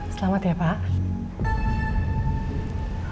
selamat ya pak